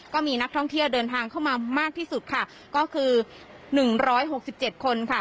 ก็มีนักท่องเที่ยวเดินทางเข้ามามากที่สุดค่ะก็คือหนึ่งร้อยหกสิบเจ็ดคนค่ะ